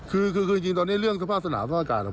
คือจริงตอนนี้เรื่องสภาพสนามสภาพอากาศ